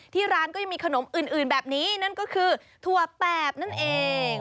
ที่ร้านก็ยังมีขนมอื่นแบบนี้นั่นก็คือถั่วแปบนั่นเอง